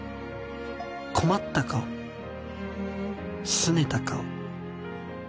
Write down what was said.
困った顔すねた顔。